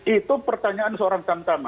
itu pertanyaan seorang